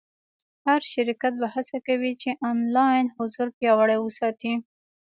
هر شرکت به هڅه کوي چې آنلاین حضور پیاوړی وساتي.